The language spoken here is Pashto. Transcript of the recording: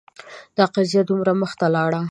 دا قضیه دومره مخته لاړه